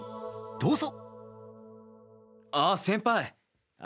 どうぞ。